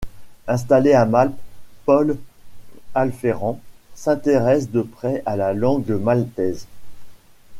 Installé à Malte, Paul Alphéran s'intéresse de près à la langue maltaise.